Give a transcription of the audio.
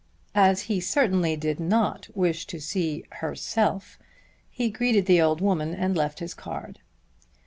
As he certainly did not wish to see "herself," he greeted the old woman and left his card.